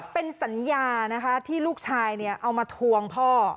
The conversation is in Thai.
เป็นสัญญานะคะที่ลูกชายเอามาทวงพ่อ